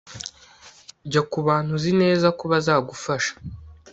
Jya kubantu uzi neza ko bazagufasha